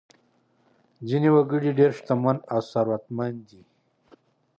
ځینې وګړي ډېر شتمن او ثروتمند دي.